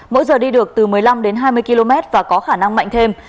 mỗi giờ đi được từ một mươi năm đến hai mươi km và có khả năng mạnh thêm